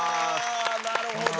なるほど。